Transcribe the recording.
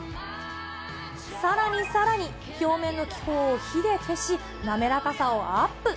さらにさらに、表面の気泡を火で消し、滑らかさをアップ。